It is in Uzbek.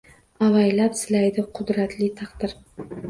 Avaylab silaydi qudratli taqdir.